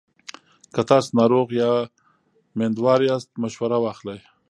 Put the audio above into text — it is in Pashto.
که تاسو ناروغ یا میندوار یاست، مشوره واخلئ.